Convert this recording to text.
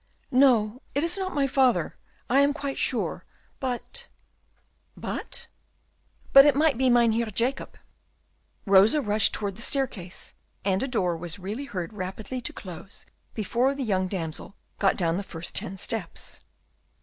"No, it is not my father, I am quite sure, but " "But?" "But it might be Mynheer Jacob." Rosa rushed toward the staircase, and a door was really heard rapidly to close before the young damsel had got down the first ten steps.